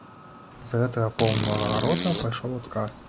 З гэтага поўнага рота пайшоў адказ.